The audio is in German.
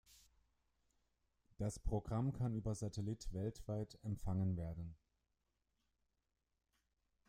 Das Programm kann über Satellit weltweit empfangen werden.